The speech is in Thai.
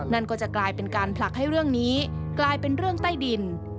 นั่นก็จะกลายเป็นการผลักให้เรื่องนี้กลายเป็นเรื่องใต้ดิน